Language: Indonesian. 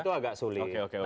itu agak sulit